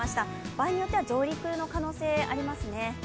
場合によっては上陸の可能性ありますね。